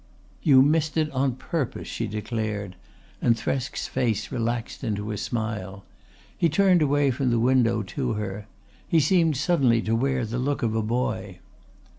"You missed it on purpose," she declared and Thresk's face relaxed into a smile. He turned away from the window to her. He seemed suddenly to wear the look of a boy.